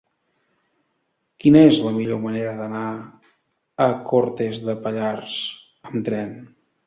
Quina és la millor manera d'anar a Cortes de Pallars amb tren?